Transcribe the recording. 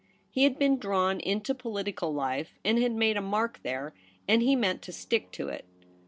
He had been drawn into political life and had made a mark there, and he meant to stick to it.